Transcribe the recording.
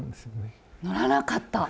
乗らなかった！